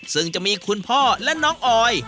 ซึ่งจะมีคุณพ่อและน้องออย